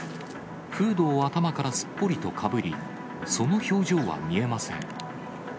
フードを頭からすっぽりとかぶり、その表情は見えません。